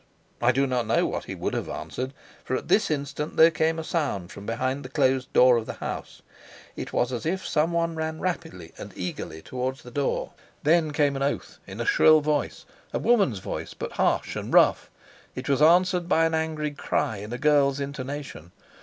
I do not know what he would have answered, for at this instant there came a sound from behind the closed door of the house. It was as if some one ran rapidly and eagerly towards the door. Then came an oath in a shrill voice, a woman's voice, but harsh and rough. It was answered by an angry cry in a girl's intonation.